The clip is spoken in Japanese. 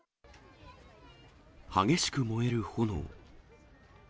激しく燃える炎。